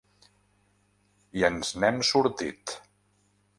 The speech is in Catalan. I ens n’hem sortit.